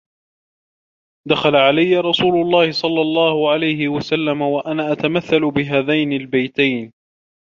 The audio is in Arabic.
دَخَلَ عَلَيَّ رَسُولُ اللَّهِ صَلَّى اللَّهُ عَلَيْهِ وَسَلَّمَ وَأَنَا أَتَمَثَّلُ بِهَذَيْنِ الْبَيْتَيْنِ